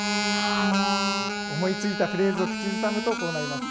思いついたフレーズを口ずさむとこうなります。